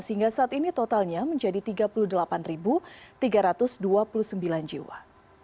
sehingga saat ini totalnya menjadi tiga puluh delapan tiga ratus dua puluh sembilan jiwa